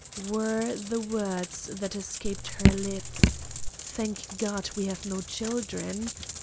Were the words that escaped her lips 'Thank God we have no children!